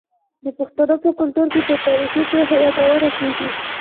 د پښتنو په کلتور کې د تاریخي پیښو یادونه کیږي.